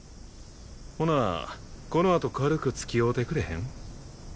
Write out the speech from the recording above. ほなこのあと軽く付き合うてくれへん？